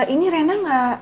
ini rena gak